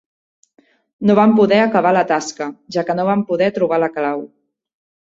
No van poder acabar la tasca, ja que no van poder trobar la clau.